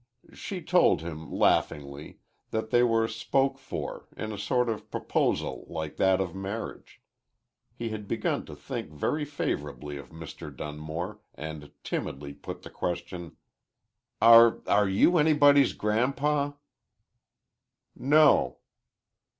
She told him, laughingly, that they were "spoke for" in a sort of proposal like that of marriage. He had begun to think very favorably of Mr. Dunmore, and timidly put the question: "Are are you anybody's gran'pa?" "No."